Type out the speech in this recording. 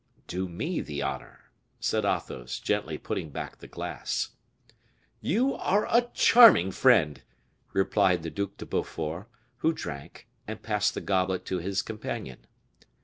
"Do me the honor," said Athos, gently putting back the glass. "You are a charming friend," replied the Duc de Beaufort, who drank, and passed the goblet to his companion.